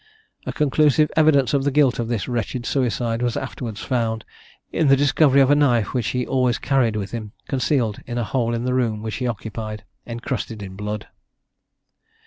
A conclusive evidence of the guilt of this wretched suicide was afterwards found, in the discovery of a knife which he always carried with him, concealed in a hole in the room which he occupied, encrusted with blood.